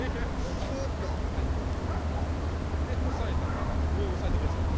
スーッとはい押さえたまま上押さえてください